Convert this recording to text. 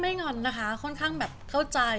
ไม่งอนนะคะค่อนข้างเข้าใจ